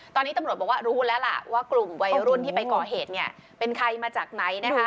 ตอนนี้ตำรวจบอกว่ารู้แล้วล่ะว่ากลุ่มวัยรุ่นที่ไปก่อเหตุเนี่ยเป็นใครมาจากไหนนะคะ